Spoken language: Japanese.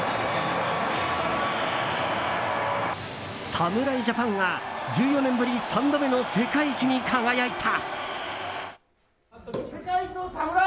侍ジャパンが１４年ぶり３度目の世界一に輝いた。